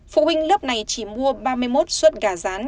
phụ huynh lớp này chỉ mua ba mươi một suất gà rán